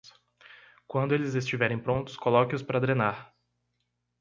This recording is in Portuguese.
Quando eles estiverem prontos, coloque-os para drenar.